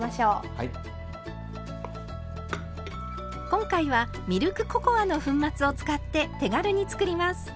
今回はミルクココアの粉末を使って手軽に作ります。